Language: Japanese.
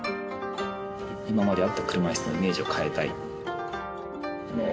今まであった車イスのイメージを変えたい。